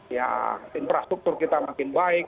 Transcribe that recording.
ya infrastruktur kita makin baik